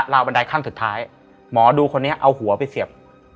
วบันไดขั้นสุดท้ายหมอดูคนนี้เอาหัวไปเสียบ